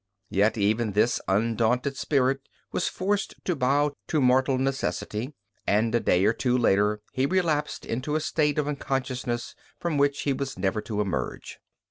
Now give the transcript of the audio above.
Yet even this undaunted spirit was forced to bow to mortal necessity, and a day or two later he relapsed into a state of unconsciousness from which he was never to emerge.